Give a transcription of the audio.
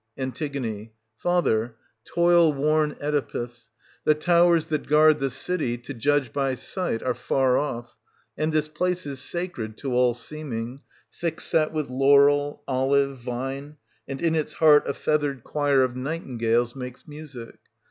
Antigone. Father, toil worn Oedipus, the towers that guard the city, to judge by sight, are far off; aiid this place is sacred, to all seeming, — thick set with laurel, olive, vine ; and in its heart a feathered choir of nightingales makes music.